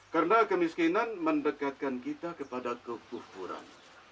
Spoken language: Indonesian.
karena kemiskinan mendekatkan kita kepada kekuasaan